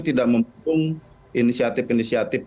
tidak membutuhkan inisiatif inisiatif